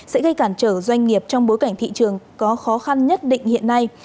sẽ gây cản trở doanh nghiệp trong bối cảnh thị trường có khó khăn nhất định hiện nay